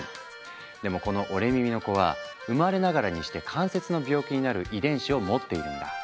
でもこの折れ耳の子は生まれながらにして関節の病気になる遺伝子を持っているんだ。